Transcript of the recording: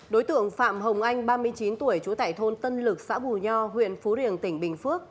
đối tượng phạm hồng anh ba mươi chín tuổi trú tại thôn tân lực xã bù nho huyện phú riềng tỉnh bình phước